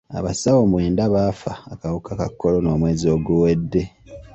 Abasawo mwenda baafa akawuka ka kolona omwezi oguwedde.